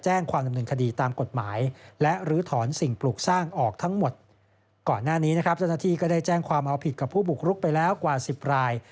แจ้งความเอาผิดกับผู้บุกรุกไปแล้วกว่า๑๐ราย